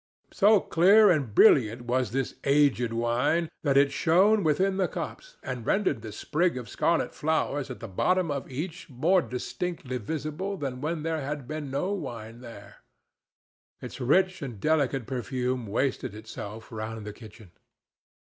So clear and brilliant was this aged wine that it shone within the cups and rendered the sprig of scarlet flowers at the bottom of each more distinctly visible than when there had been no wine there. Its rich and delicate perfume wasted itself round the kitchen.